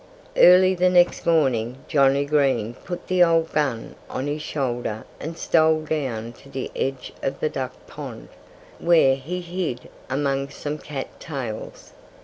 Early the next morning Johnnie Green put the old gun on his shoulder and stole down to the edge of the duck pond, where he hid among some cat tails.